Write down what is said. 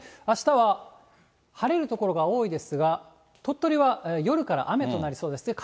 あしたは晴れる所が多いですが、鳥取は夜から雨となりそうです。